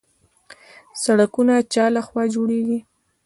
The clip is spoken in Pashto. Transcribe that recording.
سړکونه چا لخوا جوړیږي؟